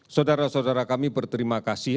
saudara saudara kami berterima kasih